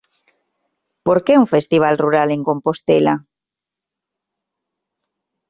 Por que un festival rural en Compostela?